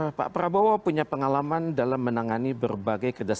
kemudian pak prabowo punya pengalaman dalam menangani berbagai kedatangan